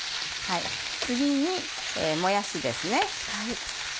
次にもやしですね。